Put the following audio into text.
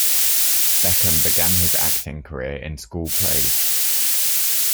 Beckham began his acting career in school plays.